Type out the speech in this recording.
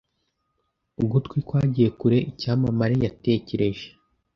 Ugutwi kwagiye kure Icyamamare yatekereje